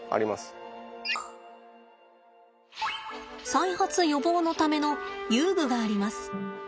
再発予防のための遊具があります。